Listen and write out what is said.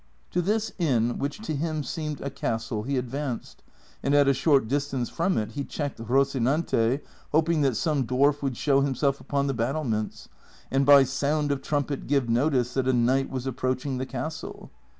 To this iini, which to him seemed a castle, he advanced, and at a short distance from it he checked Rocinante, hoping that some dwarf would show himself upon the battlements, and by sound of trumpet give notice that a knight was approaching the castle.